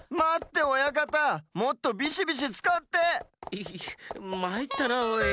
イヒッまいったなおい。